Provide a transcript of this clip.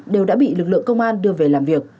đều đã bị lực lượng công an đưa về làm việc